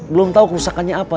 belum tahu kerusakannya apa